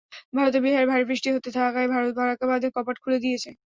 ভারতের বিহারে ভারী বৃষ্টি হতে থাকায় ভারত ফারাক্কা বাঁধের কপাট খুলে দিয়েছে।